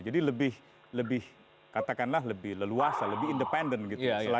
jadi lebih katakanlah lebih leluasa lebih independen gitu